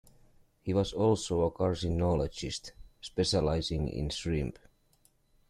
He was also a carcinologist, specialising in shrimp.